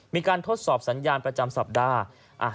ทดสอบสัญญาณประจำสัปดาห์